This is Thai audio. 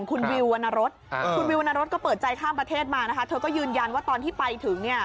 คุณวิววรรณรสคุณวิววรรณรสก็เปิดใจข้ามประเทศมานะคะเธอก็ยืนยันว่าตอนที่ไปถึงเนี่ย